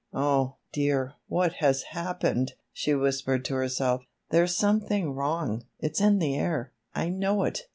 "Oh, dear, what has happened?" she whispered to herself. "There's something wrong; it's in the air! I know it!